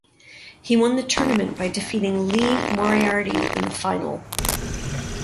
He won the tournament by defeating Lee Moriarty in the final.